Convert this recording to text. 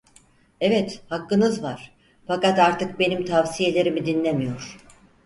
Evet, hakkınız var, fakat artık benim tavsiyelerimi dinlemiyor.